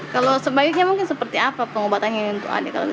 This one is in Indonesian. kalau sebaiknya mungkin seperti apa pengobatan yang itu ada kalau kita lihat